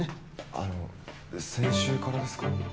あの先週からですか？